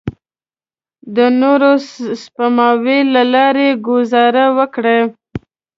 د نورو سپماوو له لارې ګوزاره وکړئ.